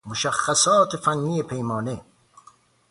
مشخصات فنی پیمانه